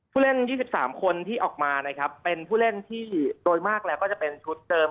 ผู้เล่น๒๓คนที่ออกมานะครับเป็นผู้เล่นที่โดยมากแล้วก็จะเป็นชุดเดิม